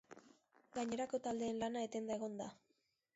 Gainerako taldeen lana etenda egon da.